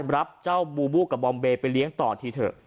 รับเจ้าบูบูกับบอมเบย์ไปเลี้ยงต่อทีเถอะ